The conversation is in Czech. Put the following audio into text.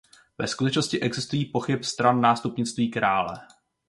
Ve skutečnosti existují pochyb stran nástupnictví krále.